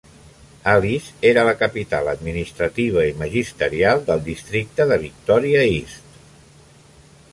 Alice era la capital administrativa i magisterial del districte de Victoria East.